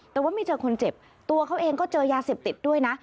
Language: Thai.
แต่ว่าไม่เจอคนเจ็บตัวเขาเองก็เจอยาเสพติดด้วยนะ